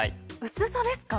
薄さですか？